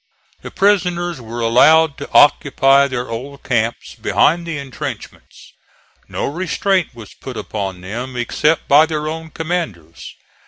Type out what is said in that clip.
The prisoners were allowed to occupy their old camps behind the intrenchments. No restraint was put upon them, except by their own commanders.